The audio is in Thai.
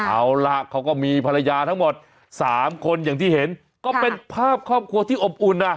เอาล่ะเขาก็มีภรรยาทั้งหมด๓คนอย่างที่เห็นก็เป็นภาพครอบครัวที่อบอุ่นนะ